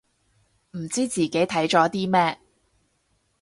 唔知自己睇咗啲咩